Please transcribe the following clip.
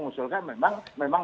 betul ini kan soal kebijakan